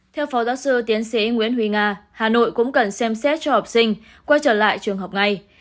theo phó giáo sư tiến sĩ nguyễn huy nga hà nội cũng cần xem xét cho học sinh quay trở lại trường học ngay